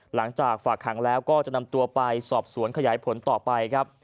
หลังจากฝากขังแล้วก็จะนำตัวไปสอบสวนขยายผลต่อไปครับ